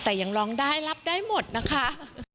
แต่ยังร้องได้รับได้หมดนะคะ